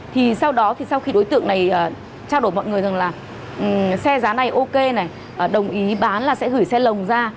thì sau đó thì sau khi đối tượng này trao đổi mọi người rằng là xe giá này ok này đồng ý bán là sẽ gửi xe lồng ra